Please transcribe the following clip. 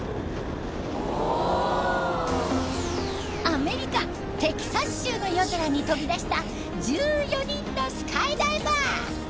アメリカテキサス州の夜空に飛び出した１４人のスカイダイバー。